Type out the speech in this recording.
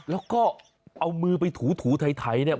แล้วก็เอามือไปถูไถเนี่ย